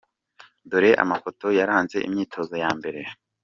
Dore amafoto yaranze imyitozo ya mbere:.